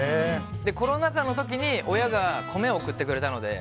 コロナ禍の時に親が米を送ってくれたので。